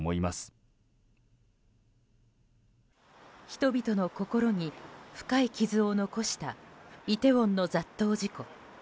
人々の心に深い傷を残したイテウォンの雑踏事故。